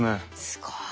すごい。